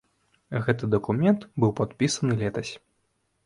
Гэты дакумент быў падпісаны летась.